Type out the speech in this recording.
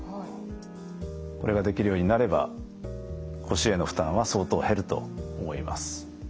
これができるようになれば腰への負担は相当減ると思います。